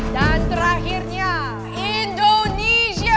dan terakhirnya indonesia